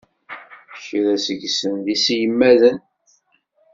Kra seg-sen d iselmaden.